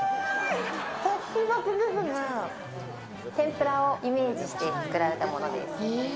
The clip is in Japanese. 天ぷらをイメージして作られたものです。